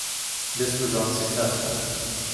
This was unsuccessful.